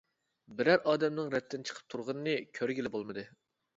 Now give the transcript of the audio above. بىرەر ئادەمنىڭ رەتتىن چىقىپ تۇرغىنىنى كۆرگىلى بولمىدى.